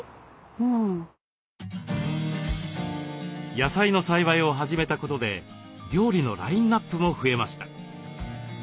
野菜の栽培を始めたことで料理のラインナップも増えました。